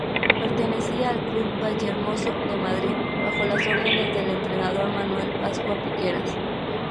Pertenecía al club Vallehermoso de Madrid bajo las órdenes del entrenador Manuel Pascua Piqueras.